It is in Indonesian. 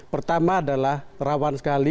pertama adalah rawan sekali